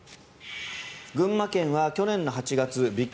群馬県は去年の８月ビッグ